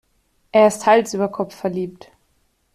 Er ist Hals über Kopf verliebt.